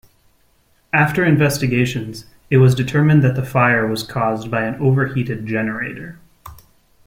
After investigations, it was determined that the fire was caused by an overheated generator.